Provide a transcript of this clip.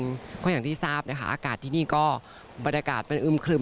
เพราะอย่างที่ทราบนะคะอากาศที่นี่ก็บรรยากาศเป็นอึมครึม